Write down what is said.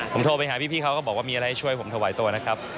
ผมโทรไปหาพี่เขาก็บอกว่ามีอะไรช่วยผมถวายตัวนะครับ